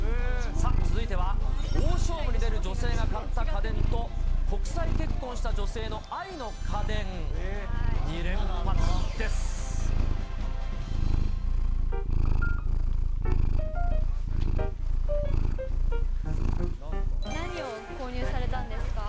続いては、大勝負に出る女性が買った家電と、国際結婚した女性の愛の家電、２連発です。